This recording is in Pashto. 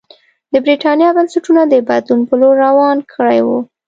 د برېټانیا بنسټونه د بدلون په لور روان کړي وو.